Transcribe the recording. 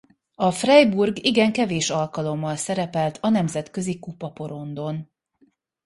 A Freiburg igen kevés alkalommal szerepelt a nemzetközi kupaporondon.